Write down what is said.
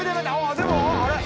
でもあれ？